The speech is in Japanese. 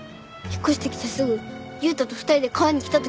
引っ越してきてすぐ悠太と２人で川に来た時に。